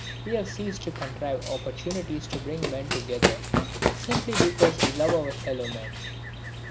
We have ceased to contrive opportunities to bring men together simply because we love our fellow men.